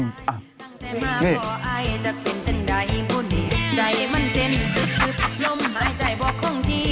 ไม่ได้ขอย้างว่าความดี